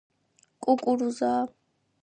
კუკურუზაა